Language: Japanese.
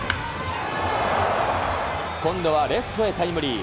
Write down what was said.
今度はレフトへタイムリー。